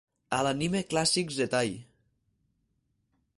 A l'Anime Classics Zettai!